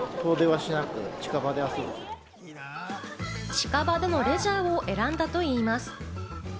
近場でのレジャーを選んだといいます。